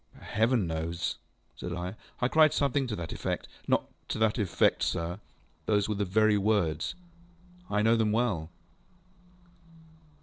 ŌĆØ ŌĆ£Heaven knows, ŌĆØ said I. ŌĆ£I cried something to that effectŌĆöŌĆØ ŌĆ£Not to that effect, sir. Those were the very words. I know them well.